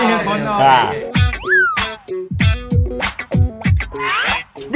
มิวซิกเฟสติบอล